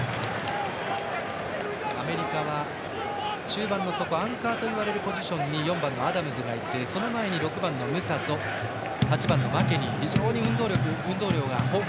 アメリカは中盤の底アンカーといわれるポジションに４番、アダムズがいてその前に６番のムサと８番のマケニー。